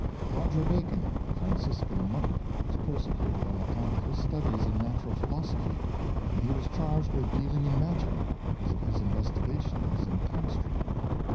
Roger Bacon, the Franciscan monk, was persecuted on account of his studies in natural philosophy, and he was charged with dealing in magic, because of his investigations in chemistry.